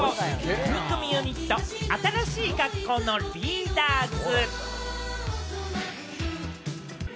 ４人組ユニット、新しい学校のリーダーズ。